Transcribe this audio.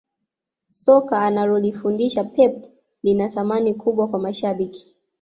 soka analolifundisha pep lina thamani kubwa kwa mashabiki